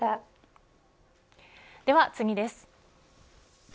では次です。